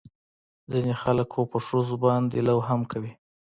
ځينې خلق خو په ښځو باندې لو هم کوي.